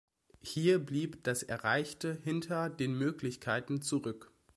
Hier blieb das Erreichte hinter den Möglichkeiten zurück.